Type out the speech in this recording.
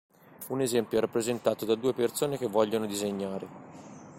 Un esempio è rappresentato da due persone che vogliono disegnare.